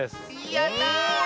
やった！